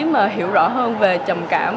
mà hiểu rõ hơn về trầm cảm